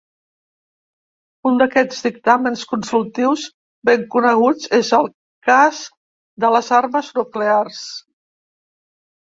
Un d'aquests dictàmens consultius ben coneguts és el "Cas de les Armes Nuclears".